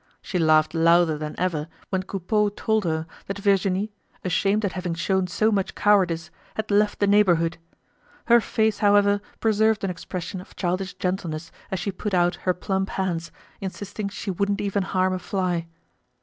She laughed louder than ever when Coupeau told her that Virginie, ashamed at having shown so much cowardice, had left the neighborhood. Her face, however, preserved an expression of childish gentleness as she put out her plump hands, insisting she wouldn't even harm a fly.